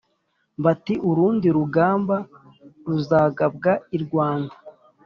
Bati"urundi rugamba ruzagabwa i rwanda